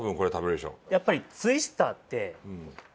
やっぱりツイスターって。